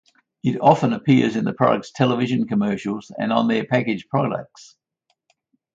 It often appears in the product's television commercials and on their packaged products.